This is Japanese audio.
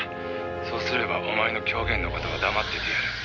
「そうすればお前の狂言の事は黙っててやる」